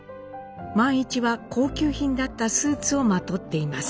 萬一は高級品だったスーツをまとっています。